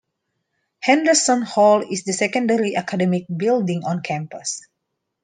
Henderson Hall is the secondary academic building on campus.